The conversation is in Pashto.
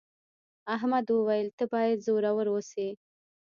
احمد وویل ته باید زړور اوسې.